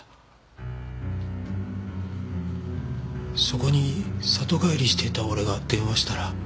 そこに里帰りしていた俺が電話したら。